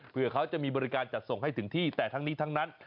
เพื่อเขาจะมีบริการจัดส่งให้ถึงที่แต่ทั้งนี้ทั้งนั้น